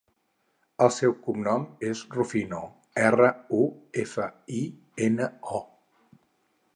El seu cognom és Rufino: erra, u, efa, i, ena, o.